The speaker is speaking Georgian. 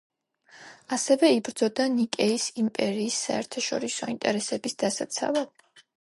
ასევე, იბრძოდა ნიკეის იმპერიის საერთაშორისო ინტერესების დასაცავად.